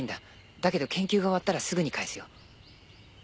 だけど研究が終わったらすぐに返すよ。